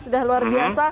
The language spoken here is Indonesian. sudah luar biasa